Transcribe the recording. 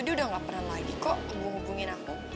dia udah gak pernah lagi kok hubung hubungin aku